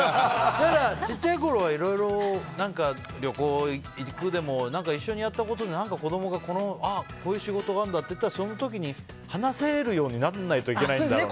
小さいころはいろいろ旅行に行くでも一緒にやったことで、子供がこういう仕事があるんだってその時に、話せるようにならないといけないんだろうね。